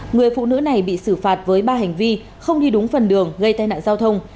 người phụ nữ này bị xử phạt với ba hành vi không đi đúng phần đường gây tai nạn giao thông